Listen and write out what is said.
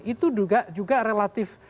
itu juga relatif